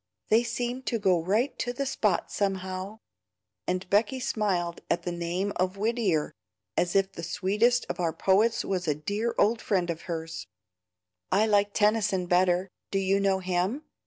They seem to go right to the spot somehow;" and Becky smiled at the name of Whittier as if the sweetest of our poets was a dear old friend of hers. "I like Tennyson better. Do you know him?"